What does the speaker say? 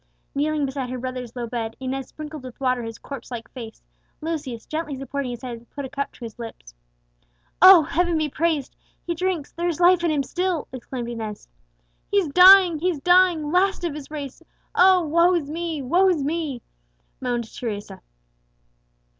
Kneeling beside her brother's low bed, Inez sprinkled with water his corpse like face; Lucius, gently supporting his head, put a cup to his lips. "Oh, Heaven be praised! he drinks! there is life in him still!" exclaimed Inez. "He's dying he's dying last of his race! Oh, woe's me! woe's me!" moaned Teresa.